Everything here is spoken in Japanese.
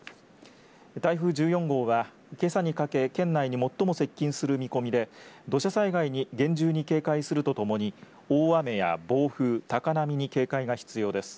台風１４号は、けさにかけ県内に最も接近する見込みで土砂災害に厳重に警戒するとともに大雨や暴風、高波に警戒が必要です。